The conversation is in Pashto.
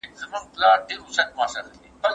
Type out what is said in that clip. دورکهايم د کوم هيواد و؟